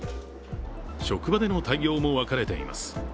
職場での対応も分かれています。